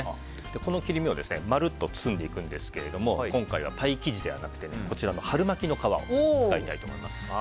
この切り身を丸っと包んでいくんですが今回はパイ生地ではなく春巻きの皮を使いたいと思います。